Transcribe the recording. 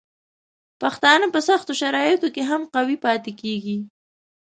پښتانه په سختو شرایطو کې هم قوي پاتې کیږي.